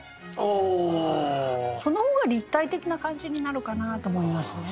その方が立体的な感じになるかなと思いますね。